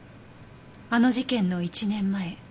あの事件の１年前。